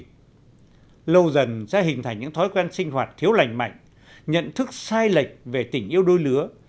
nhiều dân sẽ hình thành những thói quen sinh hoạt thiếu lành mạnh nhận thức sai lệch về tình yêu đôi lứa